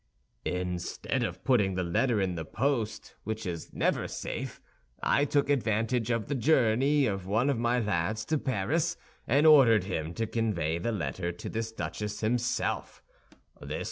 "Instead of putting the letter in the post, which is never safe, I took advantage of the journey of one of my lads to Paris, and ordered him to convey the letter to this duchess himself.